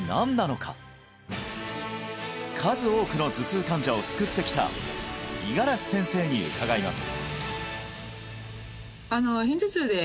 数多くの頭痛患者を救ってきた五十嵐先生に伺います